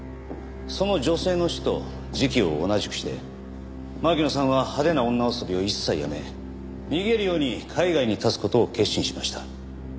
その女性の死と時期を同じくして巻乃さんは派手な女遊びを一切やめ逃げるように海外に発つ事を決心しました。